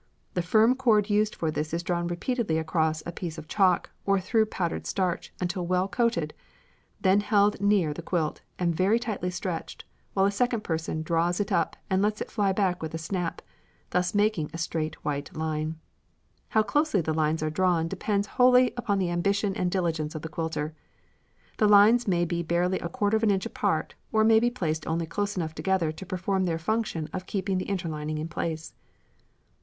The firm cord used for this is drawn repeatedly across a piece of chalk or through powdered starch until well coated, then held near the quilt, and very tightly stretched, while a second person draws it up and lets it fly back with a snap, thus making a straight white line. How closely the lines are drawn depends wholly upon the ambition and diligence of the quilter. The lines may be barely a quarter of an inch apart, or may be placed only close enough together to perform their function of keeping the interlining in place.